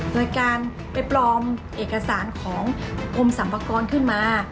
โดยการไปปลอมเอกสารของกรมสรรพากรขึ้นมา